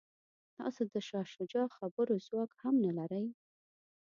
تاسو د شاه شجاع خبرو ځواک هم نه لرئ.